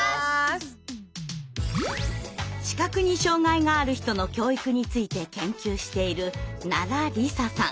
視覚に障害がある人の教育について研究している奈良里紗さん。